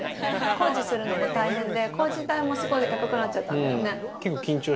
工事するのも大変で、工事代も高くなっちゃったんだよね。